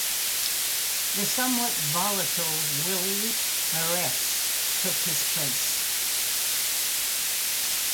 The somewhat volatile Willy Mairesse took his place.